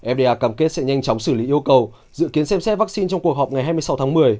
fda cam kết sẽ nhanh chóng xử lý yêu cầu dự kiến xem xét vaccine trong cuộc họp ngày hai mươi sáu tháng một mươi